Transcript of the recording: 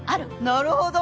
なるほど！